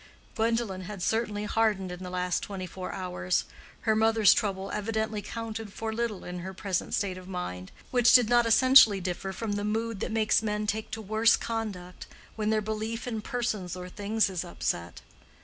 Gwendolen had certainly hardened in the last twenty four hours: her mother's trouble evidently counted for little in her present state of mind, which did not essentially differ from the mood that makes men take to worse conduct when their belief in persons or things is upset.